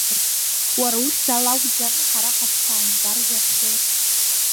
Уара ухьӡ ала акәӡами ҳара ҳашԥааимбаржәаҳәоз?